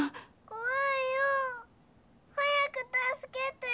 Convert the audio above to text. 怖いよ早く助けて。